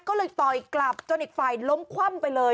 ก็เลยต่อยกลับจนอีกฝ่ายล้มคว่ำไปเลย